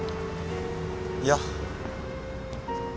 いや。